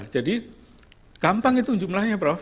jadi gampang itu jumlahnya prof